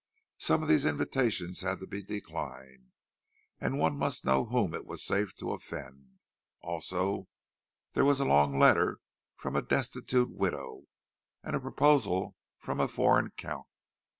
Some of these invitations had to be declined, and one must know whom it was safe to offend. Also, there was a long letter from a destitute widow, and a proposal from a foreign count.